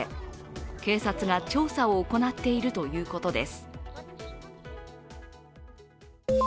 警察が調査を行っているということです。